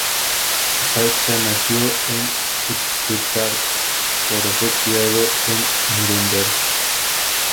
Sascha nació en Stuttgart, pero fue criado en Núremberg.